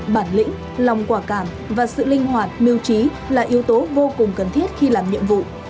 bản lĩnh lòng quả cảm và sự linh hoạt mưu trí là yếu tố vô cùng cần thiết khi làm nhiệm vụ